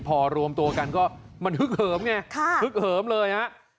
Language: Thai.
พอรวมตัวกันก็มันฮึกเหิมไงฮึกเหิมเลยฮะ